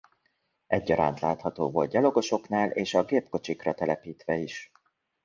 Egyaránt látható volt gyalogosoknál és a gépkocsikra telepítve is.